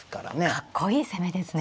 かっこいい攻めですね。